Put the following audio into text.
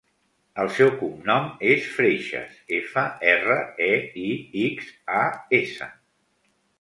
El seu cognom és Freixas: efa, erra, e, i, ics, a, essa.